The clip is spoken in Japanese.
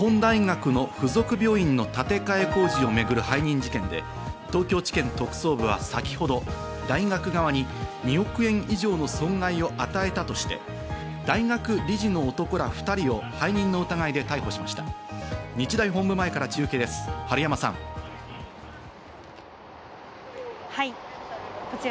日本大学の付属病院の建て替え工事を巡る背任事件で東京地検特捜部は先ほど、大学側に２億円以上の損害を与えたとして、大学理事の男ら２人を背任の疑いで逮捕しました。